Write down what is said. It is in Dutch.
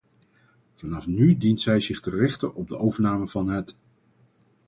Vanaf nu dient zij zich te richten op de overname van het .